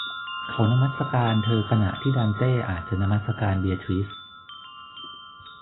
เขานมัสการเธอขณะที่ดันเต้อาจจะนมัสการเบียทริซ